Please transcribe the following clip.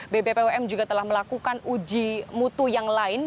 bbpom juga telah melakukan uji mutu yang lain